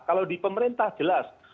kalau di pemerintah jelas